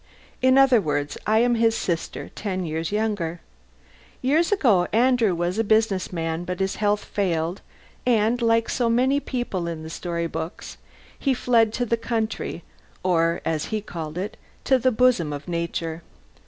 In other words, I am his sister, ten years younger. Years ago Andrew was a business man, but his health failed and, like so many people in the story books, he fled to the country, or, as he called it, to the bosom of Nature.